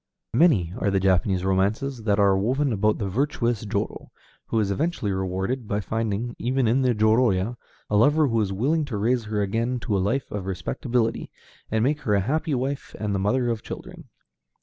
Many are the Japanese romances that are woven about the virtuous jōrō, who is eventually rewarded by finding, even in the jōrōya, a lover who is willing to raise her again to a life of respectability, and make her a happy wife and the mother of children.